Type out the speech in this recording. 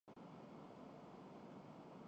بالعموم جبلّی دوسرا رد عمل تاخیر کے ساتھ ہوتا ہے۔